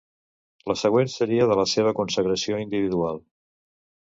La següent seria de la seva consagració individual.